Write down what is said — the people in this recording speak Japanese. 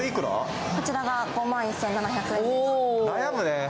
こちらが５万１７００円です。